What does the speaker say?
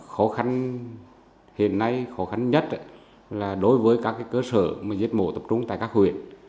khó khăn hiện nay khó khăn nhất là đối với các cơ sở giết mổ tập trung tại các huyện